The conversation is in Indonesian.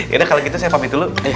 yaudah kalau gitu saya pamit dulu